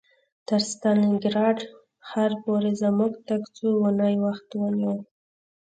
تر ستالینګراډ ښار پورې زموږ تګ څو اونۍ وخت ونیو